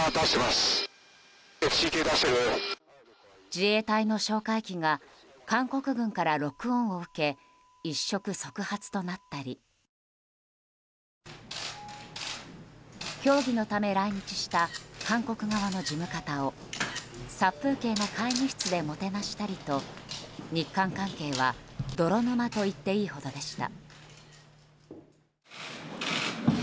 自衛隊の哨戒機が韓国軍からロックオンを受け一触即発となったり協議のため来日した韓国側の事務方を殺風景な会議室でもてなしたりと日韓関係は泥沼といっていいほどでした。